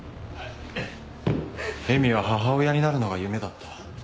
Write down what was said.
恵美は母親になるのが夢だった。